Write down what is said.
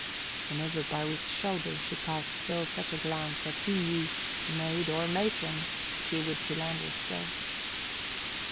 And over Barwick's shoulder she cast Phil such a glance that he knew, maid or matron, she would philander still.